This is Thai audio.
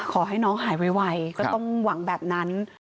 ขอให้น้องหายไวก็ต้องหวังแบบนั้น